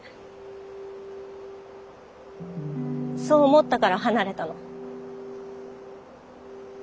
そう思ったから離れたの。